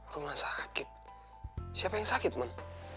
rumah sakit siapa yang sakit mana